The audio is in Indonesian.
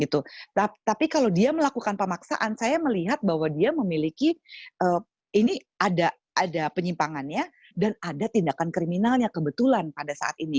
tapi kalau dia melakukan pemaksaan saya melihat bahwa dia memiliki ini ada penyimpangannya dan ada tindakan kriminalnya kebetulan pada saat ini